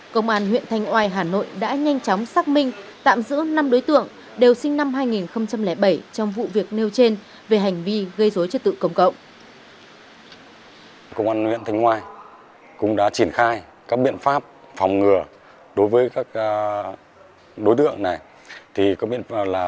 công an huyện thanh oai hà nội đã nhanh chóng xác minh tạm giữ năm đối tượng đều sinh năm hai nghìn bảy trong vụ việc nêu trên về hành vi gây dối trật tự công cộng